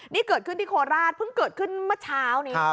นี่เกิดขึ้นที่โคราชเพิ่งเกิดขึ้นเมื่อเช้านี้